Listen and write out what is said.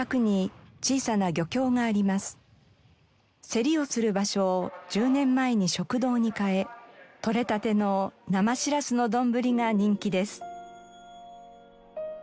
競りをする場所を１０年前に食堂に変えとれたての生しらすのどんぶりが人気です。